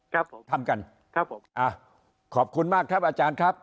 ครับผมทำกันครับผมอ่ะขอบคุณมากครับอาจารย์ครับ